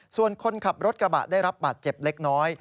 ส่วนคนขับรถกระบะได้รับบาดเจ็บเล็กน้อย